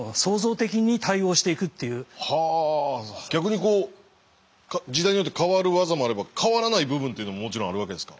逆に時代によって変わる技もあれば変わらない部分っていうのももちろんあるわけですか？